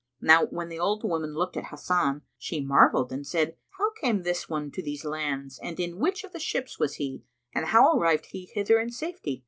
Now when the old woman looked at Hasan, she marvelled and said, "How came this one to these lands and in which of the ships was he and how arrived he hither in safety?"